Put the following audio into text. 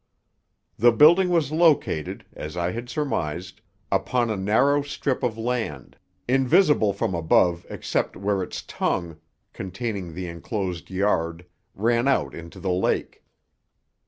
The building was located, as I had surmised, upon a narrow strip of land, invisible from above except where its tongue, containing the enclosed yard, ran out into the lake.